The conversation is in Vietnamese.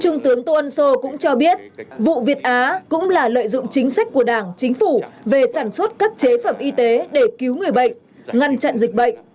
trung tướng tô ân sô cũng cho biết vụ việt á cũng là lợi dụng chính sách của đảng chính phủ về sản xuất các chế phẩm y tế để cứu người bệnh ngăn chặn dịch bệnh